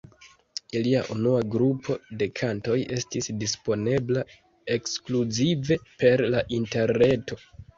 Ilia unua grupo de kantoj estis disponebla ekskluzive per la interreto.